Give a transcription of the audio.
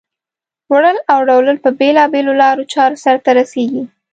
وړل او راوړل په بېلا بېلو لارو چارو سرته رسیږي.